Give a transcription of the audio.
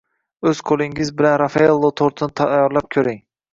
O‘z qo‘lingiz bilan rafaello tortini tayyorlab ko‘ring